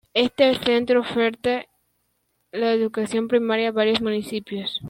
Este centro oferta la educación primaria a varios municipios.